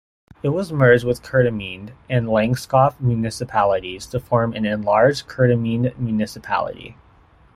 It was merged with Kerteminde and Langeskov municipalities to form an enlarged Kerteminde municipality.